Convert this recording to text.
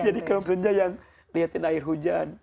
jadi kaum senja yang liatin air hujan